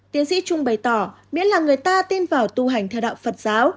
tiến sĩ trung bày tỏ miễn là người ta tin vào tu hành theo đạo phật giáo